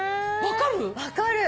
分かる？